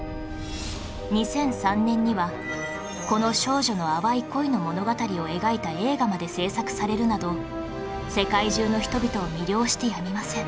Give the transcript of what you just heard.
２００３年にはこの少女の淡い恋の物語を描いた映画まで制作されるなど世界中の人々を魅了してやみません